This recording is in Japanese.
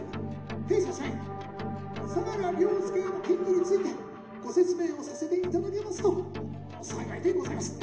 弊社社員相良凌介への嫌疑についてご説明をさせていただけますと幸いでございます。